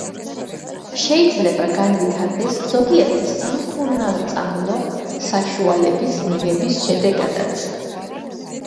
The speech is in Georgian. შეიძლება განვითარდეს ზოგიერთი სამკურნალწამლო საშუალების მიღების შედეგადაც.